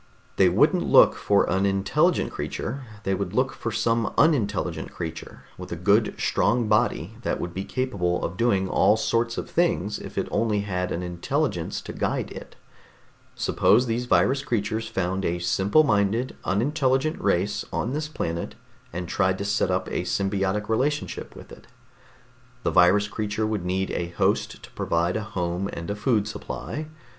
They wouldn't look for an intelligent creature, they would look for some unintelligent creature with a good strong body that would be capable of doing all sorts of things if it only had an intelligence to guide it. Suppose these virus creatures found a simple minded, unintelligent race on this planet and tried to set up a symbiotic relationship with it. The virus creatures would need a host to provide a home and a food supply.